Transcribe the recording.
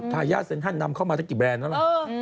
อ๋อพายาเซ็นทรัลนำเข้ามาเท่ากี่แบรนด์แล้วล่ะเออ